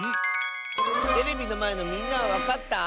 テレビのまえのみんなはわかった？